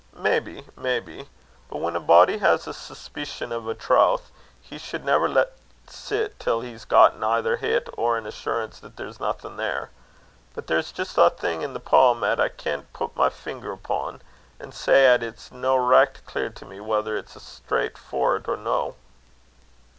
"Maybe, maybe; but when a body has a suspeecion o' a trowth, he sud never lat sit till he's gotten eyther hit, or an assurance that there's nothing there. But there's jist ae thing, in the poem 'at I can pit my finger upo', an' say 'at it's no richt clear to me whether it's a' straucht foret or no?"